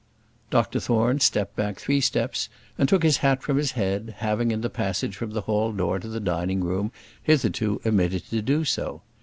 Dr Thorne stepped back three steps and took his hat from his head, having, in the passage from the hall door to the dining room, hitherto omitted to do so.